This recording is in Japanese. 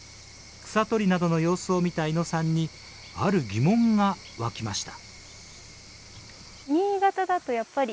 草取りなどの様子を見た伊野さんにある疑問が湧きました。